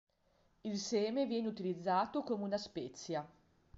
Il seme viene utilizzato come una spezia.